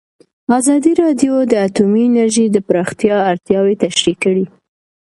ازادي راډیو د اټومي انرژي د پراختیا اړتیاوې تشریح کړي.